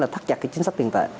là thắt chặt chính sách tiền tệ